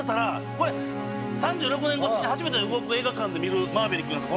「これ３６年越しに初めて僕映画館で見るマーヴェリックなんです